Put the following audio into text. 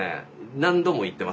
何度も言ってます